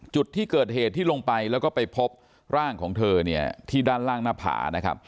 จุดที่เกิดเหตุที่ลงไปแล้วก็ไปพบร่างของเธอที่ด้านล่างหน้าผ่า